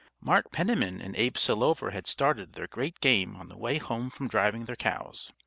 Mart Penniman and Abe Selover had started their great "game" on the way home from driving their cows.